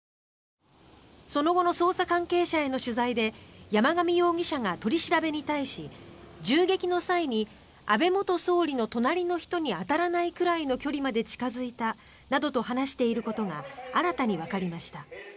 その後の捜査関係者への取材で山上容疑者が取り調べに対し銃撃の際に安倍元総理の隣の人に当たらないくらいの距離まで近付いたなどと話していることが新たにわかりました。